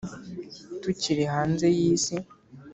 tukiri hanze yi si.